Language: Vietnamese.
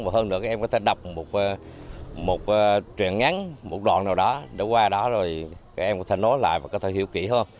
và hơn nữa các em có thể đọc một chuyện ngắn một đoạn nào đó để qua đó rồi các em có thể nối lại và có thể hiểu kỹ hơn